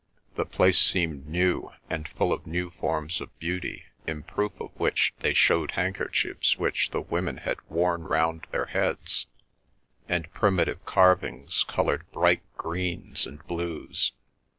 The place seemed new and full of new forms of beauty, in proof of which they showed handkerchiefs which the women had worn round their heads, and primitive carvings coloured bright greens and blues.